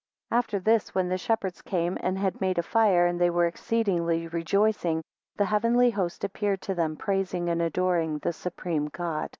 19 After this, when the shepherds came, and had made a fire, and they were exceedingly rejoicing, the heavenly host appeared to them, praising and adoring the supreme God.